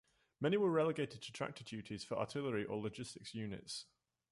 Many were relegated to tractor duties for artillery or logistics units.